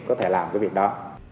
có thể làm cái việc đó